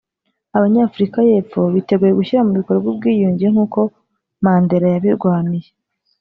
Abanyafurika y’Epfo biteguye gushyira mu bikorwa ubwiyunge nk’uko Mandela yabirwaniye